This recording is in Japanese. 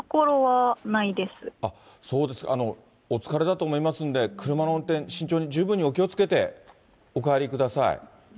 そうですか、お疲れかと思いますんで、車の運転、慎重に、十分にお気をつけて、お帰りください。